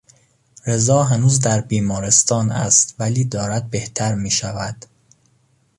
رضا هنوز در بیمارستان است ولی دارد بهتر میشود.